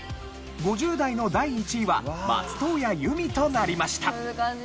５０代の第１位は松任谷由実となりました。